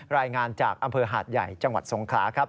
รายงานจากหาดใหญ่อำเภอจังหวัดสงคร้าครับ